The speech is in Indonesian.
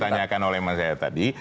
saya tanya tadi